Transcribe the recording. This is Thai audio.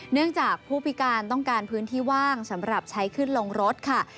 เนื่องจากผู้พิการต้องการพื้นที่ว่างสำหรับใช้ขึ้นลงรถค่ะ